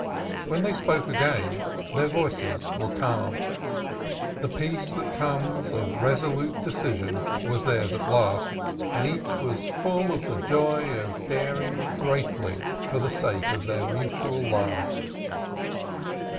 When they spoke again their voices were calm. The peace that comes of resolute decision was theirs at last, and each was full of the joy of daring greatly for the sake of their mutual love.